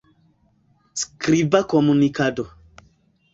Skriba komunikado.